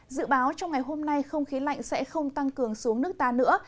dự báo trong ngày hôm nay không khí lạnh sẽ không tăng cường xuống nước ta nữa